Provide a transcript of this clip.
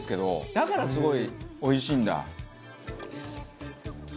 だからすごいおいしいんだ。なあ！